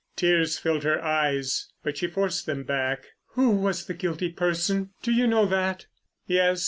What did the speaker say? Tears filled her eyes, but she forced them back. "Who was the guilty person? Do you know that?" "Yes.